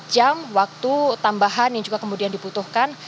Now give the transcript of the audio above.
jam waktu tambahan yang juga kemudian dibutuhkan